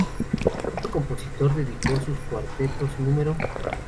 Dicho compositor dedicó sus cuartetos No.